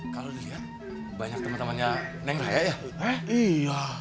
kalo dilihat banyak temen temennya neng raya ya